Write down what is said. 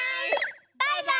バイバーイ！